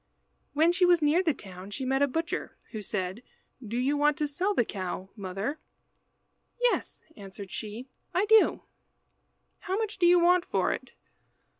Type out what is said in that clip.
When she was near the town she met a butcher, who said "Do you want to sell the cow, mother?" "Yes," answered she, "I do." "How much do you want for it?"